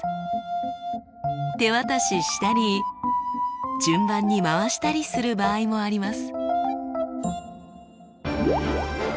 手渡ししたり順番に回したりする場合もあります。